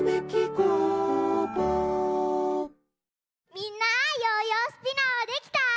みんなヨーヨースピナーはできた？